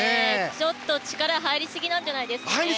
ちょっと力が入りすぎじゃないですかね。